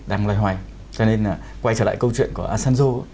đang loài hoài cho nên là quay trở lại câu chuyện của asanjo